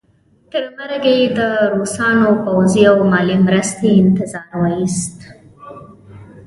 تر مرګه یې د روسانو پوځي او مالي مرستې انتظار وایست.